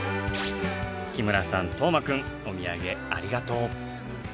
日村さん斗真くんお土産ありがとう！